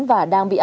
và đang bị áp dụng